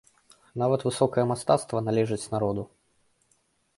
Нават высокае мастацтва належыць народу.